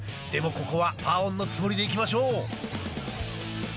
でもここはパーオンのつもりでいきましょう。